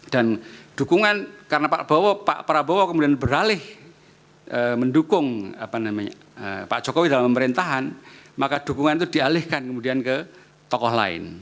dan dukungan karena pak prabowo pak prabowo kemudian beralih mendukung pak jokowi dalam pemerintahan maka dukungan itu dialihkan kemudian ke tokoh lain